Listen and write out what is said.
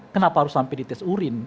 kenapa harus sampai dites urin